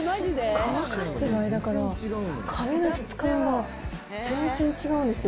乾かしてる間から、髪の質感が全然違うんですよ。